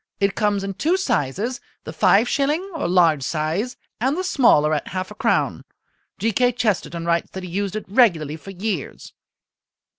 It comes in two sizes, the five shilling (or large size) and the smaller at half a crown. G. K. Chesterton writes that he used it regularly for years."